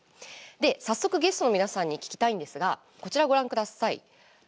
早速ゲストの皆さんに聞きたいんですがこちらご覧ください。